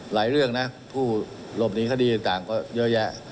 เรื่องนะผู้หลบหนีคดีต่างก็เยอะแยะ